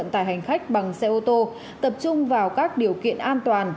tập trung vào các điều kiện an toàn